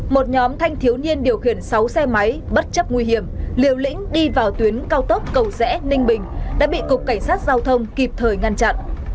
một nhóm thanh thiếu niên điều khiển sáu xe máy bất chấp nguy hiểm liều lĩnh đi vào tuyến cao tốc cầu rẽ ninh bình đã bị cục cảnh sát giao thông kịp thời ngăn chặn